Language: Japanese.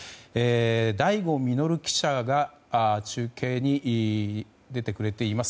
醍醐穣記者が中継に出てくれています。